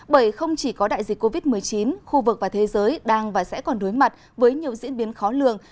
bởi không chỉ có đại dịch covid một mươi chín khu vực và thế giới đang và sẽ còn đối mặt với nhiều diễn biến khó lường